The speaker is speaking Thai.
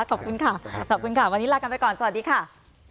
ขอบคุณค่ะวันนี้ลาไปก่อนสวัสดีค่ะ